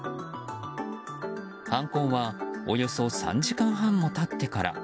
犯行はおよそ３時間半も経ってから。